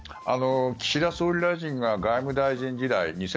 岸田総理大臣が外務大臣時代